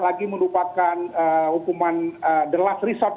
lagi merupakan hukuman the last resort